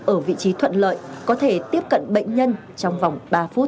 ở vị trí thuận lợi có thể tiếp cận bệnh nhân trong vòng ba phút